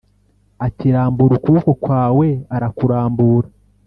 ati Rambura ukuboko kwawe Arakurambura